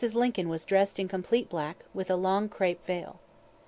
Lincoln was dress'd in complete black, with a long crape veil.